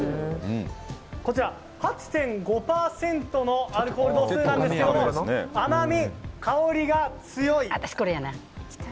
こちら、８．５％のアルコール度数なんですけども甘み、香りが強い。